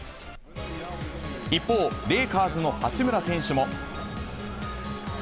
一方、レイカーズの八村選手も。